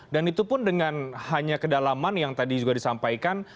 dan itu pun dengan hanya kedalaman yang tadi juga disampaikan